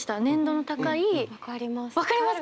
分かります。